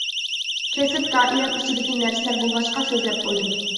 كەسىپ دائىرەم ئىچىدىكى نەرسىلەر بولغاچقا سۆزلەپ قويدۇم.